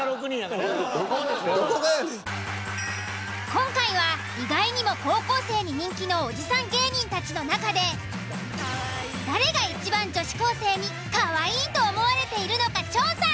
今回は意外にも高校生に人気のおじさん芸人たちの中で誰がいちばん女子高生にかわいいと思われているのか調査。